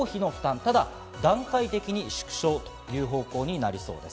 ただ段階的に縮小という方向になりそうです。